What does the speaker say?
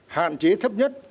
hạn chế thấp nhất